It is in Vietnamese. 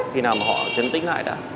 khi nào mà họ chấn tích lại đã